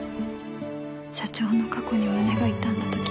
社長の過去に胸が痛んだ時